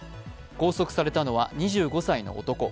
拘束されたのは２５歳の男。